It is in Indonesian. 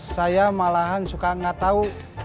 saya malahan suka nggak tahu